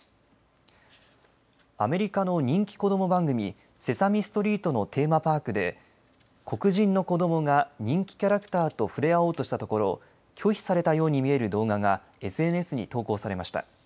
アメリカの人気子ども番組、セサミストリートのテーマパークで、黒人の子どもが人気キャラクターと触れ合おうとしたところ拒否されたように見える動画がＳＮＳに投稿されました。